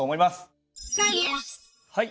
はい。